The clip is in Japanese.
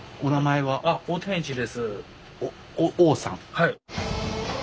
はい。